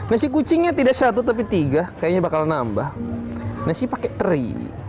nasi kucingnya tidak satu tapi tiga kayaknya bakal nambah nasi pakai teri